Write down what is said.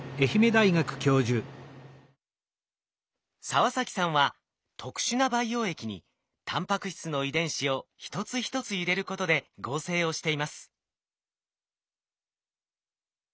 澤崎さんは特殊な培養液にタンパク質の遺伝子を一つ一つ入れることで合成をしています。